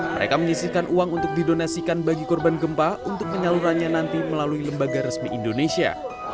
mereka menyisihkan uang untuk didonasikan bagi korban gempa untuk penyalurannya nanti melalui lembaga resmi indonesia